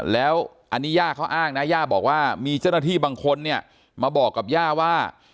แล้วอันนี้ย่าเขาอ้างนะย่าบอกว่ามีเจ้าหน้าที่บางคนเนี่ยมาบอกกับย่าว่า